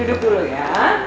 duduk dulu ya